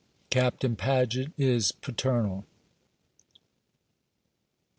CAPTAIN PAGET IS PATERNAL.